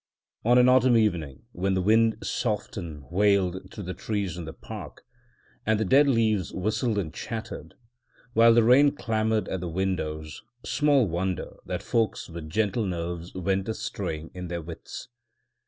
On an autumn evening, when the wind soughed and wailed through the trees in the park, and the dead leaves whistled and chattered, while the rain clamoured at the windows, small wonder that folks with gentle nerves went a straying in their wits!